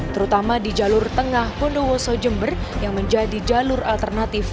terutama di jalur tengah bondowoso jember yang menjadi jalur alternatif